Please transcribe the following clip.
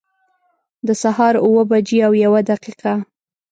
د سهار اوه بجي او یوه دقيقه